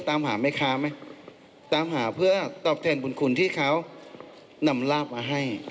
ตามหาแม่ค้าไหมตามหาเพื่อตอบแทนบุญคุณที่เขานำลาบมาให้